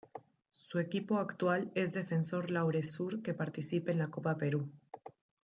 Su equipo actual es Defensor Laure Sur que participa en la Copa Perú.